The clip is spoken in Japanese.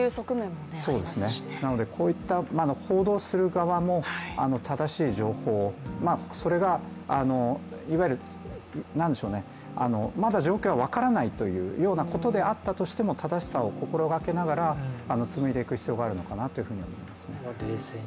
なので、こういった報道する側も正しい情報それがまだ状況が分からないというようなことであっても正しさを心がけながら、紡いでいく必要があるのかなと思いますね。